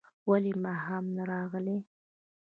ولي ماښام نه راغلې؟